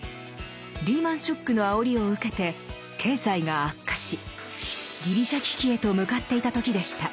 リーマンショックのあおりを受けて経済が悪化しギリシャ危機へと向かっていた時でした。